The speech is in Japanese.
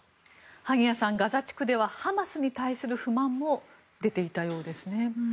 萩谷さんガザ地区ではハマスに対する不満も出ていたようですね。